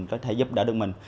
có thể giúp đỡ được mình